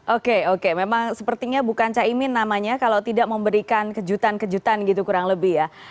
oke oke memang sepertinya bukan caimin namanya kalau tidak memberikan kejutan kejutan gitu kurang lebih ya